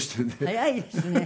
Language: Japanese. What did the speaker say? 早いですね。